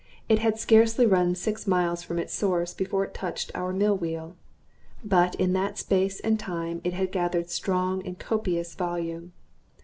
It had scarcely run six miles from its source before it touched our mill wheel; but in that space and time it had gathered strong and copious volume.